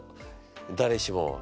誰しも。